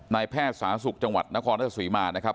นายแพทย์สหสุขจังหวัดนครสุธิมารนะครับ